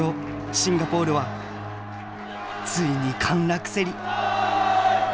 シンガポールは遂に陥落せり」。